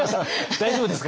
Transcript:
大丈夫ですか？